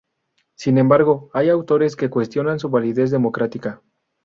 Sin embargo, hay autores que cuestionan su validez democrática.